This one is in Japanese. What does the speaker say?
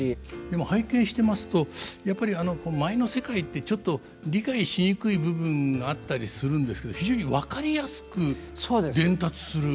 でも拝見してますとやっぱり舞の世界ってちょっと理解しにくい部分があったりするんですけど非常に分かりやすく伝達する。